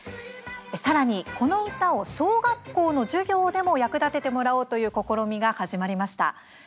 さらに、この歌を小学校の授業でも役立ててもらおうという試みが始まりました。